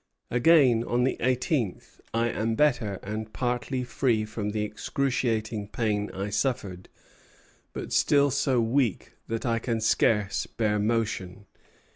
Again, on the eighteenth: "I am better, and partly free from the excruciating pain I suffered; but still so weak that I can scarce bear motion."